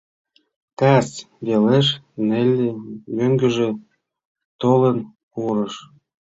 ...Кас велеш Нелли мӧҥгыжӧ толын пурыш.